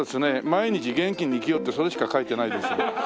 毎日元気に生きようってそれしか書いてないです。